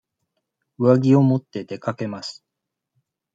上着を持って出かけます。